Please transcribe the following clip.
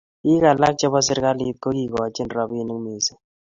biik alak chebo serikalit ko kikochini robinik mising'